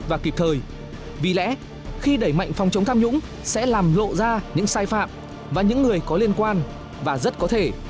và kịp thời vì lẽ khi đẩy mạnh phòng chống tham nhũng sẽ làm lộ ra những sai phạm và những người có liên quan và rất có thể